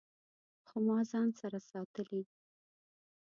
خو ما ځان سره ساتلي